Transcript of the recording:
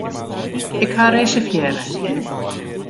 Ik ha reservearre.